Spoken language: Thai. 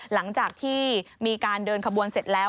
หลังจากที่มีการเดินขบวนเสร็จแล้ว